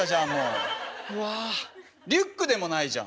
リュックでもないじゃん。